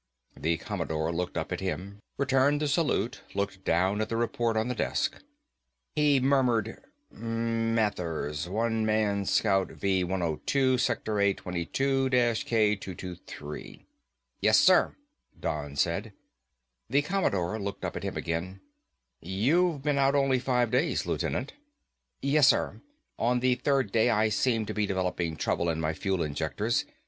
The Commodore looked up at him, returned the salute, looked down at the report on the desk. He murmured, "Mathers, One Man Scout V 102. Sector A22 K223." "Yes, sir," Don said. The Commodore looked up at him again. "You've been out only five days, Lieutenant." "Yes, sir, on the third day I seemed to be developing trouble in my fuel injectors.